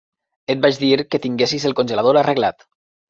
Et vaig dir que tinguessis el congelador arreglat.